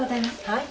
はい。